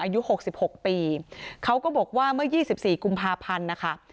อายุหกสิบหกปีเขาก็บอกว่าเมื่อยี่สิบสี่กุมภาพันธุ์นะคะ